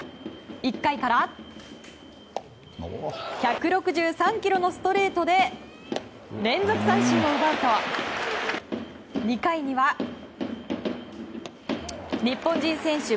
１回から１６３キロのストレートで連続三振を奪うと２回には日本人選手